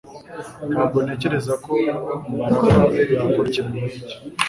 Ntabwo ntekereza ko Mbaraga yakora ikintu nkicyo